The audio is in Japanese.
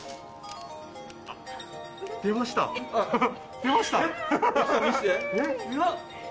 出ました。